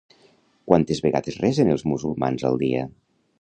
Quantes vegades resen els musulmans al dia?